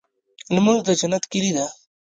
لمونځ د جنت کيلي ده.